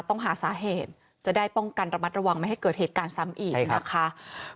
ต้องหาสาเหตุจะได้ป้องกันระมัดระวังไม่ให้เกิดเหตุการณ์ซ้ำอีกนะคะ